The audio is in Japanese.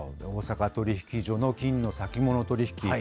大阪取引所の金の先物取引。